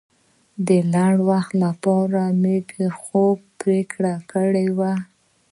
د لنډ وخت لپاره مو د خوب پرېکړه وکړه.